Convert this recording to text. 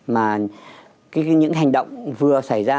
mà những hành động vừa xảy ra